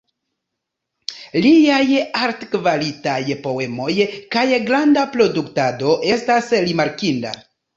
Liaj altkvalitaj poemoj kaj granda produktado estas rimarkinda.